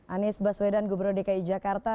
anies baswedan gubernur dki jakarta